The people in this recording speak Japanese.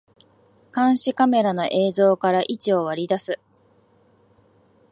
監視カメラの映像から位置を割り出す